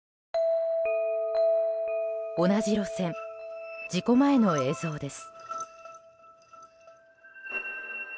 同じ路線、事故前の映像です。